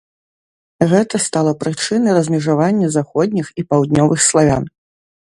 Гэта стала прычынай размежавання заходніх і паўднёвых славян.